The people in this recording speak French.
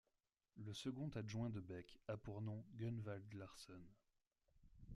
Le second adjoint de Beck a pour nom Gunvald Larsson.